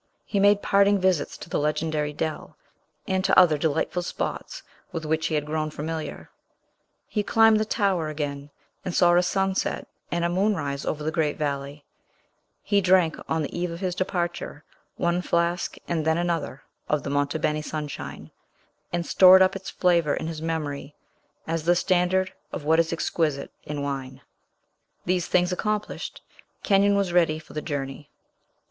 He made parting visits to the legendary dell, and to other delightful spots with which he had grown familiar; he climbed the tower again, and saw a sunset and a moonrise over the great valley; he drank, on the eve of his departure, one flask, and then another, of the Monte Beni Sunshine, and stored up its flavor in his memory as the standard of what is exquisite in wine. These things accomplished, Kenyon was ready for the journey.